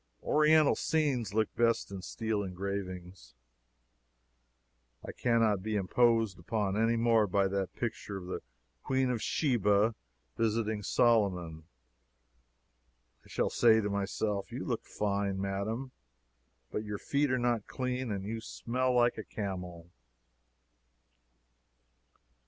Oriental scenes look best in steel engravings. I cannot be imposed upon any more by that picture of the Queen of Sheba visiting Solomon. I shall say to myself, You look fine, Madam but your feet are not clean and you smell like a camel.